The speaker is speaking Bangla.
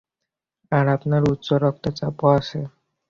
আর আপনার উচ্চ রক্তচাপও আছে।